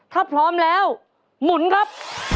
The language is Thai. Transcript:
ถ้าพร้อมแล้วหมุนครับ